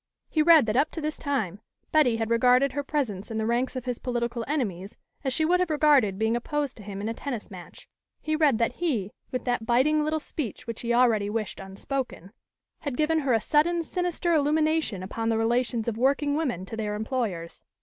He read that up to this time, Betty had regarded her presence in the ranks of his political enemies as she would have regarded being opposed to him in a tennis match. He read that he, with that biting little speech which he already wished unspoken, had given her a sudden, sinister illumination upon the relations of working women to their employers.